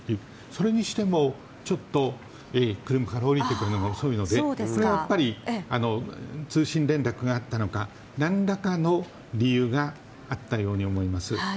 それにしても、ちょっと車から降りてくるのが遅いので、これはやっぱり通信連絡があったのか何らかの理由があったように思います。